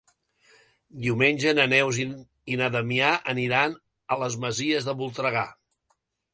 Diumenge na Neus i na Damià aniran a les Masies de Voltregà.